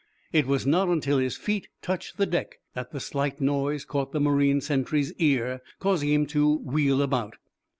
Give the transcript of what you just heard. It was not until his feet touched the deck that the slight noise caught the marine sentry's ear, causing him to wheel about.